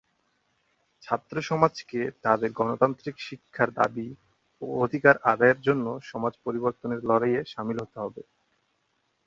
ছাত্র সমাজকে তাদের গণতান্ত্রিক শিক্ষার দাবি ও অধিকার আদায়ের জন্য সমাজ পরিবর্তনের লড়াইয়ে সামিল হতে হবে।